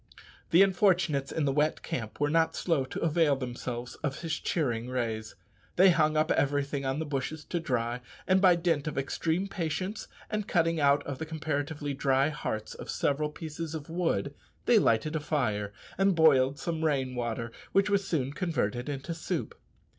The unfortunates in the wet camp were not slow to avail themselves of his cheering rays. They hung up everything on the bushes to dry, and by dint of extreme patience and cutting out the comparatively dry hearts of several pieces of wood, they lighted a fire and boiled some rain water, which was soon converted into soup.